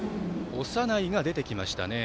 長内が出てきましたね。